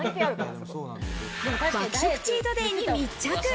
爆食チートデイに密着。